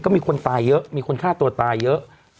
ก็มีคนตายเยอะมีคนฆ่าตัวตายเยอะ